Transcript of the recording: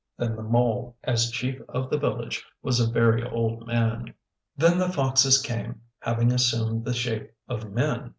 Then the mole, as chief of the village, was a very old man. Then the foxes came, having assumed the shape of men.